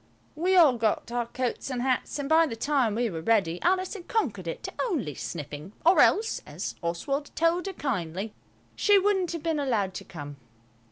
We all got our coats and hats, and by the time we were ready Alice had conquered it to only sniffing, or else, as Oswald told her kindly, she wouldn't have been allowed to come.